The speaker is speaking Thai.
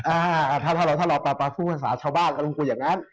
เอ่อถ้าเราปรับประพรามันภาษาชาวบ้านเพราะเราจะคุยอย่างนั้น